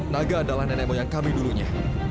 naga adalah nenek moyang kami dulunya